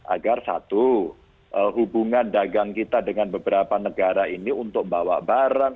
agar satu hubungan dagang kita dengan beberapa negara ini untuk bawa barang